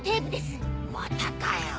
またかよ。